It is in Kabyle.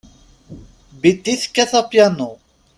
Betty tekkat apyanu.